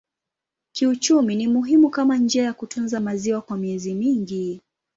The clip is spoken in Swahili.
Kiuchumi ni muhimu kama njia ya kutunza maziwa kwa miezi mingi.